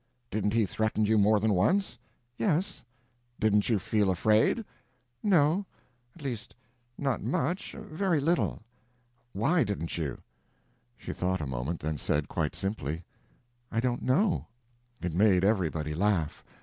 "Didn't he threaten you more than once?" "Yes." "Didn't you feel afraid?" "No—at least not much—very little." "Why didn't you?" She thought a moment, then said, quite simply: "I don't know." It made everybody laugh.